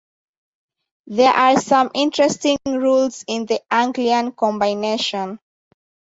There are some interesting rules in the Anglian Combination.